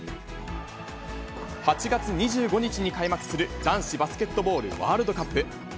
８月２５日に開幕する男子バスケットボールワールドカップ。